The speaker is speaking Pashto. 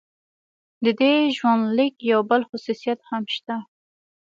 د دې ژوندلیک یو بل خصوصیت هم شته.